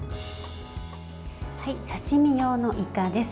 刺身用のいかです。